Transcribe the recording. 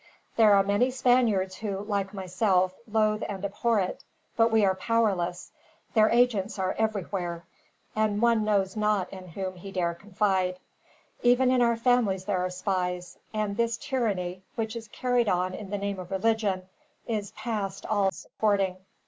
There are many Spaniards who, like myself, loathe and abhor it; but we are powerless. Their agents are everywhere, and one knows not in whom he dare confide. Even in our families there are spies, and this tyranny, which is carried on in the name of religion, is past all supporting.